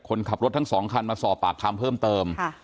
คนขับรถทั้ง๒คันมาสอบปากคำเพิ่มเติม